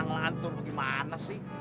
ngelantur bagaimana sih